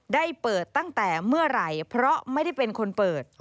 ได้เปิดตั้งแต่เมื่อไหร่เพราะไม่ได้เป็นคนเปิด